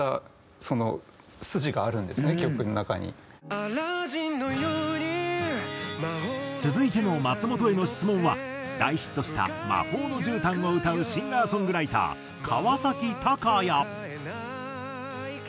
「アラジンのように」続いての松本への質問は大ヒットした『魔法の絨毯』を歌うシンガーソングライター川崎鷹也。